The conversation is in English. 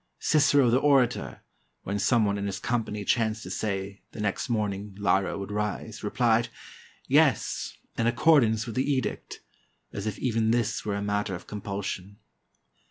Cicero, the orator, when some one in his company chanced to say, the next morning Lyra would rise, replied, *'Yes, in accordance with the edict," as if even this were a matter of compulsion.